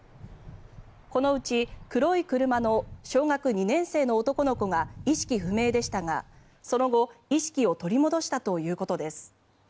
このうち、黒い車の小学２年生の男の子が意識不明でしたがその後、意識を取り戻したということです。